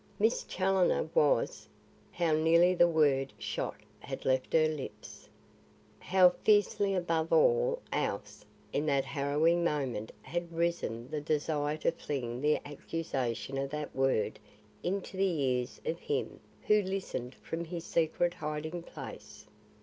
"Miss Challoner was " How nearly the word shot had left her lips. How fiercely above all else, in that harrowing moment had risen the desire to fling the accusation of that word into the ears of him who listened from his secret hiding place.